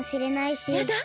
やだ